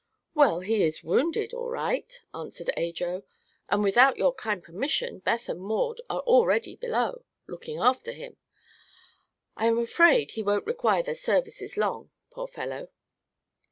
"Well, he is wounded, all right," answered Ajo, "and without your kind permission Beth and Maud are already below, looking after him. I'm afraid he won't require their services long, poor fellow."